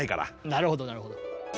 なるほどなるほど。